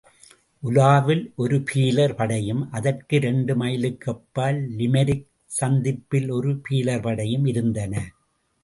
ஊலாவில் ஒரு பீலர் படையும் அதற்கு இரண்டு மைலுக்கு அப்பால், லிமெரீக் சந்திப்பில் ஒரு பீலர்படையும் இருந்தன.